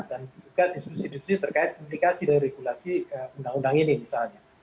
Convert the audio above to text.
dan juga diskusi diskusi terkait pendidikasi dan regulasi undang undang ini misalnya